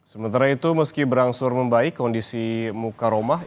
sementara itu meski berangsur membaik kondisi muka rumah